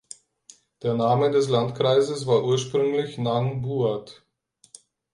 Der Name des Landkreises war ursprünglich Nang Buat.